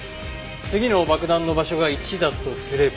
次の爆弾の場所が１だとすれば。